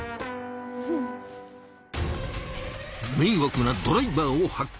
めいわくなドライバーを発見。